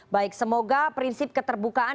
baik semoga prinsip keterbukaan